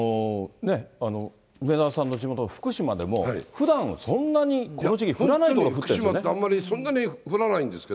梅沢さんの地元の福島でも、ふだん、そんなにこの時期降らないのに降ってるんですよね。